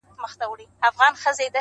یا بیګانه وه لېوني خیالونه!.